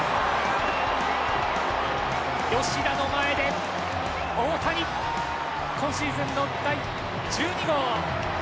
吉田の前で大谷今シーズンの第１２号！